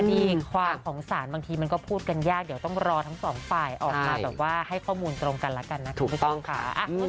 นี่ความของสารบางทีมันก็พูดกันยากเดี๋ยวต้องรอทั้งสองฝ่ายออกมาแบบว่าให้ข้อมูลตรงกันแล้วกันนะคะคุณผู้ชมค่ะ